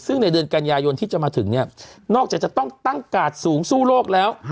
ซึ่งในเดือนกันยายนที่จะมาถึงเนี่ยนอกจากจะต้องตั้งกาดสูงสู้โลกแล้ว